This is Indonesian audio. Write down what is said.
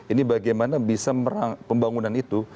ini bagaimana bisa pembangunan itu